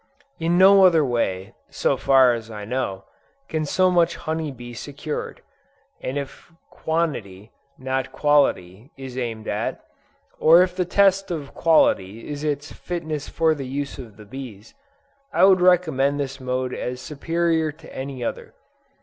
In no other way, so far as I know, can so much honey be secured, and if quantity, not quality, is aimed at, or if the test of quality is its fitness for the use of the bees, I would recommend this mode as superior to any other.